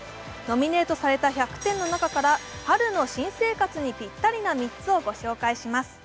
ノミネートされた１００点の中から春の新生活にぴったりな３つを御紹介します。